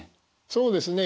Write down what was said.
そうですね。